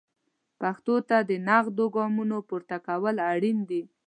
پښتو ته د نغدو ګامونو پورته کول اړین دي.